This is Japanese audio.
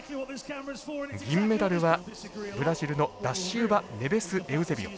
銀メダルはブラジルのダシウバネベスエウゼビオ。